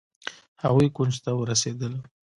هغوئ کونج ته ورسېدل.